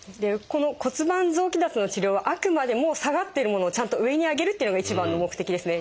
この骨盤臓器脱の治療はあくまでも下がっているものをちゃんと上に上げるっていうのが一番の目的ですね。